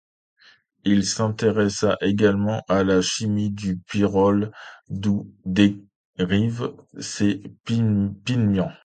Il s'intéressa également à la chimie du pyrrole, d'où dérivent ces pigments.